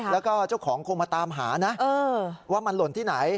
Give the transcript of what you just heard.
แล้วก็เจ้าของคงมาตามหานะว่ามันหล่นที่ไหน